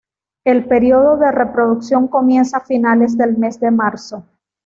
El periodo de reproducción comienza a finales del mes de marzo.